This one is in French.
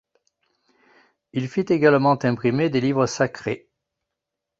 Il fit également imprimer des livres sacrés.